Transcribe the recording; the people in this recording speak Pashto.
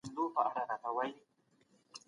آیا بډایان په خپلو خدایانو رښتینې عقیده لري؟